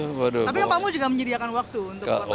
tapi pak mau juga menyediakan waktu untuk wartawan